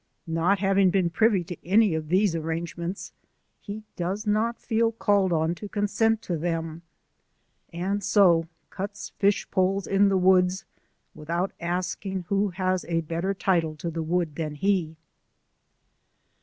Not having been privy to any of these arrangements, he does not feel called on to consent to them, and so cuts fishpoles in the woods without asking who has a better title to the wood than he.